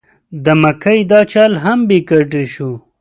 د مکۍ دا چل هم بې ګټې شو.